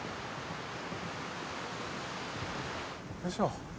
よいしょ。